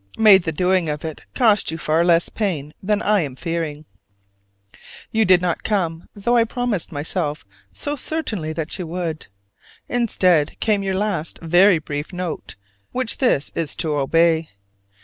May the doing of it cost you far less pain than I am fearing! You did not come, though I promised myself so certainly that you would: instead came your last very brief note which this is to obey.